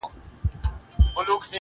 ځیني وختونه بېله موضوع لري -